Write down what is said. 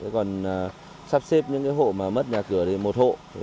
còn sắp xếp những hộ mà mất nhà cửa thì một hộ